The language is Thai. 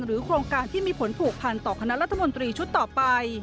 โครงการที่มีผลผูกพันต่อคณะรัฐมนตรีชุดต่อไป